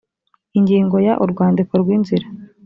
ingingo ya urwandiko rw inzira